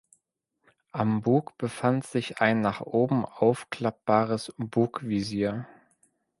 Am Bug befand sich ein nach oben aufklappbares Bugvisier.